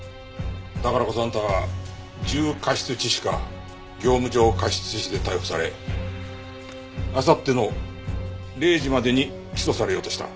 だからこそあんたは重過失致死か業務上過失致死で逮捕されあさっての０時までに起訴されようとした。